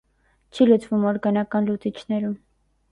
Չի լուծվում օրգանական լուծիչներում։